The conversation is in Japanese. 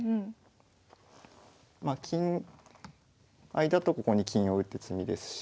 金合いだとここに金を打って詰みですし。